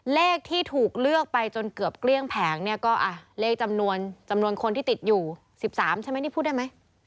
เลขที่ถูกเลือกไปจนเกือบเกลี้ยงแผงเนี่ยก็เลขจำนวนคนที่ติดอยู่๑๓ใช่ไหมนี่พูดได้ไหม